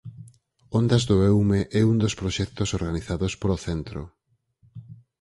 Ondas do Eume é un dos proxectos organizados polo centro.